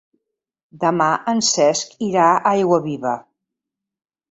Demà en Cesc irà a Aiguaviva.